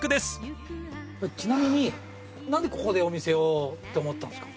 ちなみに何でここでお店をって思ったんですか？